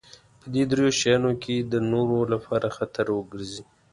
په دې درې شيانو کې د نورو لپاره خطر وګرځي.